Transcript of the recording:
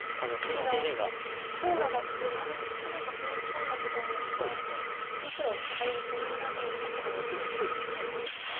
白がホウリ込んだことによって黒アタリでツナいだあとにまた更に１手いるということですね。